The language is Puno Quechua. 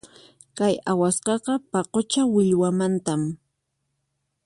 Kay awasqaqa paqucha millwamantam.